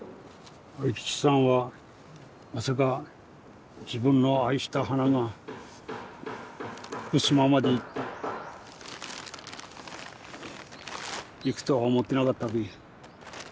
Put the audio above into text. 愛吉さんはまさか自分の愛した花が福島まで行って行くとは思ってなかったべ。